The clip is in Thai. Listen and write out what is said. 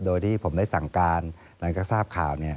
โดยที่ผมได้สั่งการหลังจากทราบข่าว